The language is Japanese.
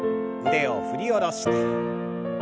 腕を振り下ろして。